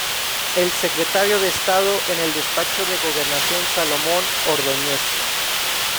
El Secretario de Estado en el Despacho de Gobernación, Salomón Ordoñez.